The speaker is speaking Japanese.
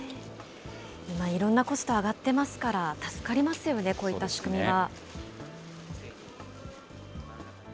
今、いろんなコスト、上がってますから助かりますよね、こういった仕組みは。